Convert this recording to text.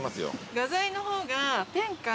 画材の方が。